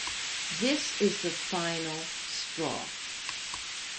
This is the final straw.